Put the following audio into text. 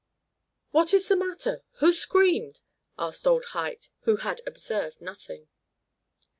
"What is the matter? Who screamed?" asked old Huyt, who had observed nothing.